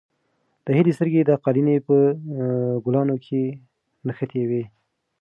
د هیلې سترګې د قالینې په ګلانو کې نښتې وې.